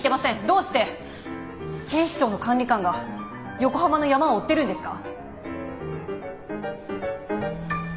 どうして警視庁の管理官が横浜のヤマを追ってるんですか？